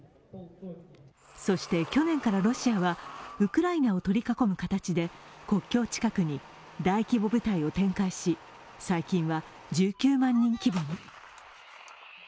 そして去年からロシアは、ウクライナを取り囲む形で国境地帯に大規模部隊を展開し、最近は１９万規模に。